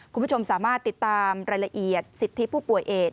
คุณผู้ชมสามารถติดตามรายละเอียดสิทธิผู้ป่วยเอด